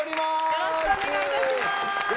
よろしくお願いします。